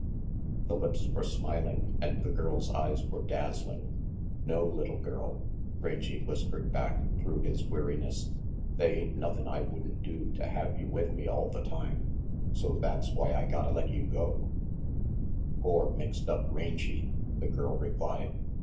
The lips were smiling, and the girl's eyes were dazzling. "No, little girl," Rangy whispered back, through his weariness. "They ain't nothin' I would'n do to have you with me all the time, so that's why I gotta let you go "Poor, mixed up Rangy," the girl replied.